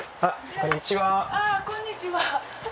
こんにちは。